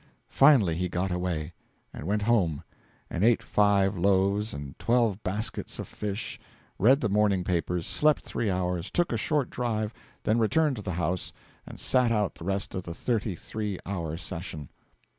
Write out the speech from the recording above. Finally he got away, and went home and ate five loaves and twelve baskets of fish, read the morning papers, slept three hours, took a short drive, then returned to the House, and sat out the rest of the thirty three hour session.